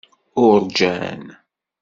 Uṛǧan.